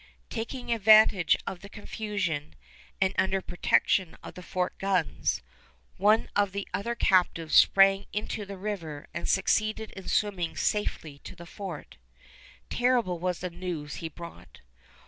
Taking advantage of the confusion, and under protection of the fort guns, one of the other captives sprang into the river and succeeded in swimming safely to the fort. Terrible was the news he brought.